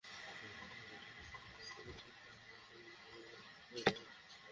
এবার রাজশাহী সিটি করপোরেশনের মেয়র মোসাদ্দেক হোসেন বুলবুলকে সাময়িকভাবে বরখাস্ত করা হয়েছে।